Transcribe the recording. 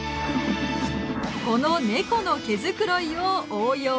このネコの毛繕いを応用！